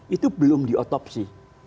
itu belum diotopsi